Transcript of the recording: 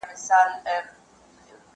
زه به سبا ته فکر کوم!.